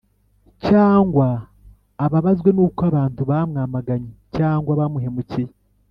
cyangwa ngo ababazwe n’uko abantu bamwamaganye cyangwa bamuhemukiye